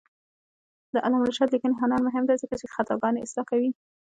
د علامه رشاد لیکنی هنر مهم دی ځکه چې خطاګانې اصلاح کوي.